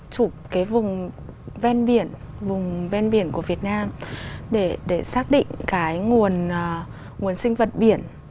chụp cái vùng ven biển của việt nam để xác định cái nguồn sinh vật biển